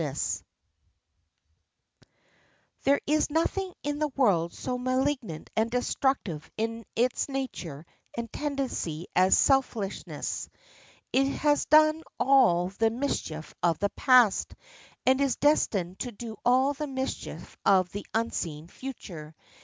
] There is nothing in the world so malignant and destructive in its nature and tendency as selfishness. It has done all the mischief of the past, and is destined to do all the mischief of the unseen future.